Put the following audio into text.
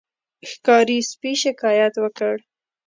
ښکاري سپي شکایت وکړ.